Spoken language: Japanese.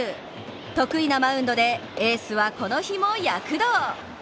得意なマウンドで、エースはこの日も躍動。